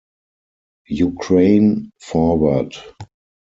Ukraine - Forward!